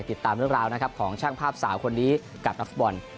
ติดตามเรื่องราวของช่างภาพสาวคนนี้กับนักบร